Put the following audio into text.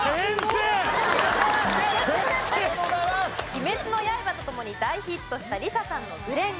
『鬼滅の刃』と共に大ヒットしたＬｉＳＡさんの『紅蓮華』。